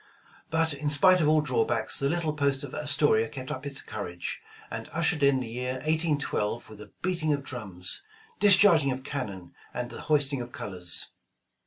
But in spite of all drawbacks, the little post of Astoria kept up its courage, and ushered in the year 1812 with a beating of drums, discharging of cannon and th.» hoisting of colors.